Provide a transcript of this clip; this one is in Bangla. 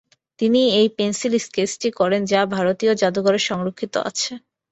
তিনি এই পেন্সিল স্কেচটি করেন- যা ভারতীয় জাদুঘরে সংরক্ষিত আছে।